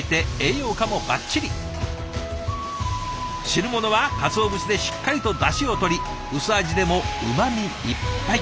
汁物はかつお節でしっかりとダシをとり薄味でもうまみいっぱい。